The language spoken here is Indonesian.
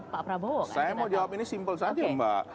pak prabowo saya mau jawab ini simpel saja mbak